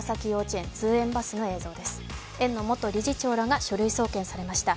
園の元理事長らが書類送検されました。